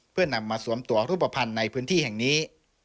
เพื่อนำมาสวมตัวรูปภัณฑ์ในพื้นที่แห่งนี้